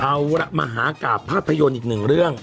เอาละมหากราบภาพยนตร์อีกหนึ่งเรื่อง